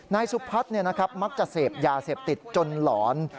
นายสุพัฒน์มักจะเสพยาเสพติดจนหลอน